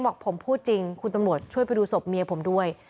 บอกผมพูดจริงคุณตำรวจช่วยไปดูศพเมียผมด้วย